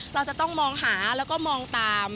เราจะต้องมองหาแล้วก็มองตาม